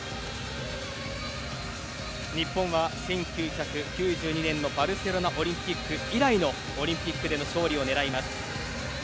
日本は１９９２年のバルセロナオリンピック以来のオリンピックでの勝利を狙います。